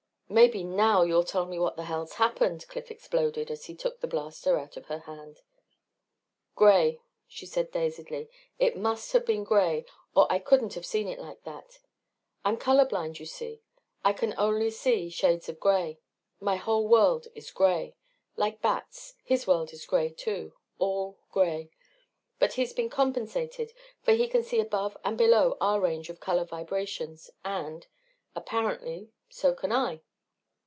"Maybe now you'll tell me what in the hell's happened?" Cliff exploded as he took the blaster out of her hand. "Gray," she said dazedly, "it must have been gray or I couldn't have seen it like that. I'm colorblind, you see. I can see only shades of gray my whole world is gray. Like Bat's his world is gray too all gray. But he's been compensated for he can see above and below our range of color vibrations and apparently so can I!"